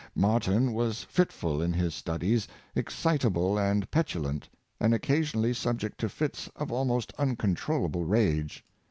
Martyn was fitful in his studies, excitable and petulant, and occasionally subject to fits of almost uncontrollable rage.